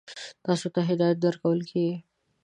تاسو ته هدایت درکول کېږي.